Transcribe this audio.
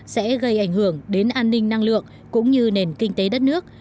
sẽ gây ảnh hưởng đến an ninh năng lượng cũng như nền kinh tế đất nước